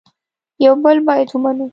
یو بل باید ومنو